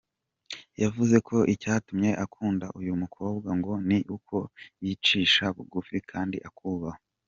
Yavuze ko icyatumye akunda uyu mukobwa ngo ni uko ‘yicisha bugufi kandi akubaha’.